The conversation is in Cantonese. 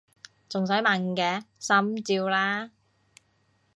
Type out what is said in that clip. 仲使問嘅！心照啦！